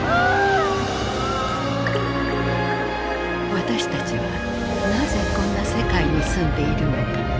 私たちはなぜこんな世界に住んでいるのか。